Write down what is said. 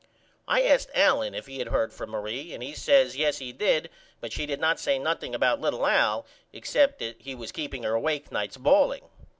I asked Allen if he had heard from Marie and he says Yes he did but she did not say nothing about little Al except that he was keeping her awake nights balling.